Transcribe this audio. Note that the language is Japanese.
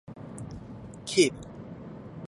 警備